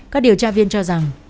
các điều tra viên cho rằng